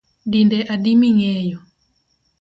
Dinde adi mingeyo